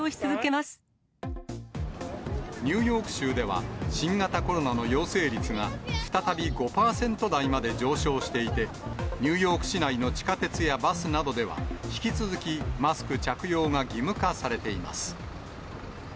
ニューヨーク州では、新型コロナの陽性率が再び５％台まで上昇していて、ニューヨーク市内の地下鉄やバスなどでは、引き続き、マスク着用が義務化されています。